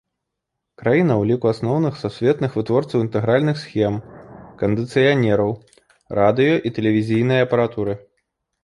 Краіна ў ліку асноўных сусветных вытворцаў інтэгральных схем, кандыцыянераў, радыё- і тэлевізійнай апаратуры.